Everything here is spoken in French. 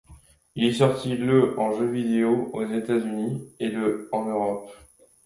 Il est sorti le en jeu vidéo aux États-Unis et le en Europe.